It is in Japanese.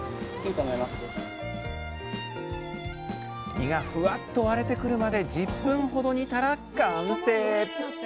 身がふわっと割れてくるまで１０分ほど煮たら完成。